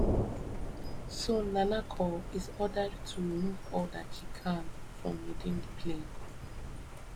So, Nanako is ordered to remove all that she can from within the plane.